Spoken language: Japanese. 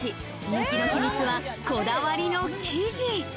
人気の秘密は、こだわりの生地。